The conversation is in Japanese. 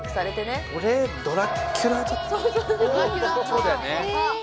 そうだよね。